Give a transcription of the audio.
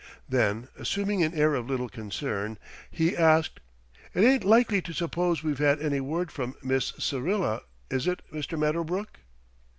Then, assuming an air of little concern, he asked: "It ain't likely to suppose we've had any word from Miss Syrilla, is it, Mr. Medderbrook?"